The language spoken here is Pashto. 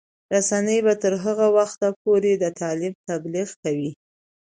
رسنۍ به تر هغه وخته پورې د تعلیم تبلیغ کوي.